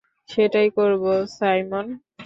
সেটাই করব, সাইমন।